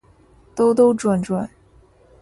兜兜转转